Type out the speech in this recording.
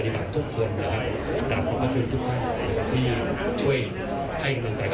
เรายังจะทำภารกิจต่อไปให้ดีเท่าเท่ากับวันนี้ครับ